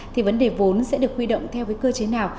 thì vấn đề vốn sẽ được huy động theo cái cơ chế nào